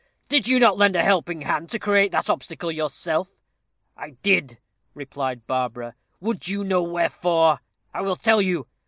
"Did you not lend a helping hand to create that obstacle yourself?" "I did," replied Barbara. "Would you know wherefore? I will tell you.